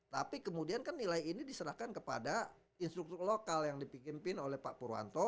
tapi kemudian kan nilai ini diserahkan kepada instruktur lokal yang dipimpin oleh pak purwanto